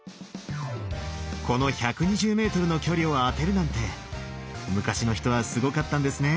この１２０ｍの距離を当てるなんて昔の人はすごかったんですね。